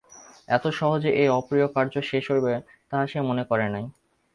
এত সহজে এই অপ্রিয় কার্য শেষ হইবে, তাহা সে মনে করে নাই।